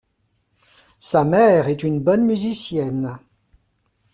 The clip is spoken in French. Sa mère est une bonne musicienne.